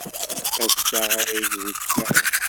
Ass-a ara yezweǧ Kan.